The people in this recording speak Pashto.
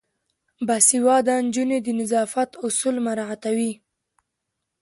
باسواده نجونې د نظافت اصول مراعاتوي.